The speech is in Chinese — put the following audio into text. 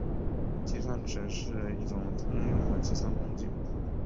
计算尺是一种通用的计算工具。